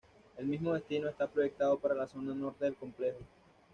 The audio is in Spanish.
El mismo destino está proyectado para la zona Norte del complejo.